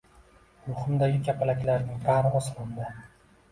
Ruhimdagi kapalaklarning bari osmonda